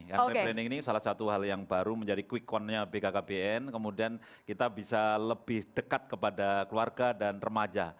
yang replanning ini salah satu hal yang baru menjadi quick countnya bkkbn kemudian kita bisa lebih dekat kepada keluarga dan remaja